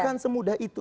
bukan semudah itu